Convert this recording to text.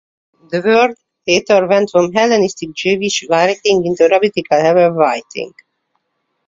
The word later went from Hellenistic Jewish writing into rabbinical Hebrew writing.